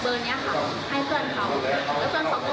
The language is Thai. เพื่อนเขาไปหลังจากนั้นเขาหายได้๓วันตั้งแต่วันนั้นเขาหายไปเลยครับ